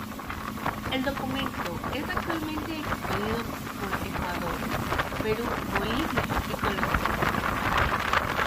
El documento es actualmente expedido por Ecuador, Perú, Bolivia y Colombia.